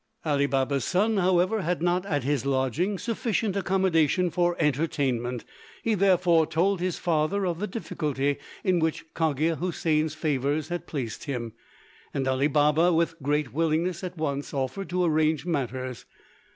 Ali Baba's son, however, had not at his lodging sufficient accommodation for entertainment; he therefore told his father of the difficulty in which Cogia Houssain's favours had placed him, and Ali Baba with great willingness at once offered to arrange matters.